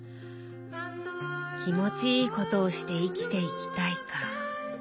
「気持ちいいことをして生きていきたい」か。